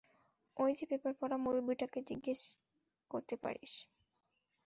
ওই যে পেপার পড়া মুরুব্বিটাকে জিজ্ঞেস করতে পারিস।